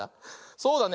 そうだね。